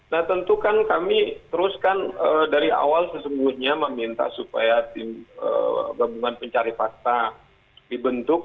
nah tentu kan kami terus kan dari awal sesungguhnya meminta supaya tim gabungan pencari fakta dibentuk